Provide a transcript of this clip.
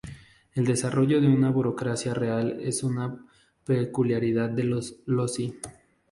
El desarrollo de una burocracia real es una peculiaridad de los lozi.